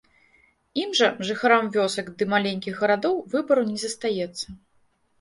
Ім жа, жыхарам вёсак ды маленькіх гарадоў, выбару не застаецца.